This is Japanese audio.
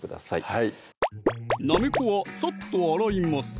はいなめこはサッと洗います